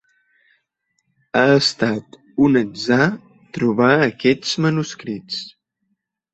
Ha estat un atzar trobar aquests manuscrits.